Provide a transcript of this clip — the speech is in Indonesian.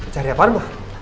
cari apaan mbak